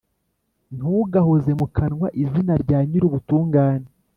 ntugahoze mu kanwa izina rya Nyir’ubutungane!